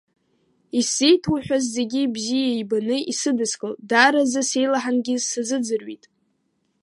Исзеиҭоуҳәаз зегьы бзиа ибаны исыдыскылт, даараӡа сеилаҳангьы сазыӡырҩит!